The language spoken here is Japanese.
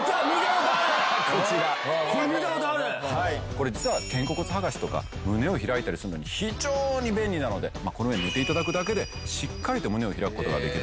これ実は肩甲骨剥がしとか胸を開いたりするのに非常に便利なのでこの上に寝て頂くだけでしっかりと胸を開く事ができる。